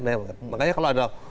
makanya kalau ada